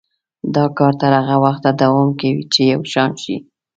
دا کار تر هغه وخته دوام کوي چې یو شان شي.